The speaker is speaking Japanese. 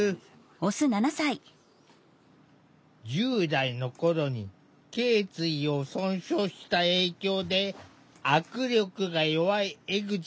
１０代の頃にけい椎を損傷した影響で握力が弱い江口さん。